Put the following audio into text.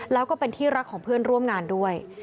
แล้วก็เป็นที่รักของเพื่อนร่วมงานด้วย